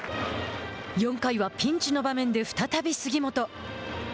４回はピンチの場面で再び杉本。